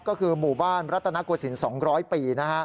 ก็คือหมู่บ้านรัตนกวสิน๒๐๐ปี